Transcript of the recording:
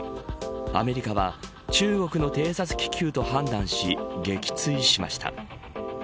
アメリカは中国の偵察気球と判断し撃墜しました。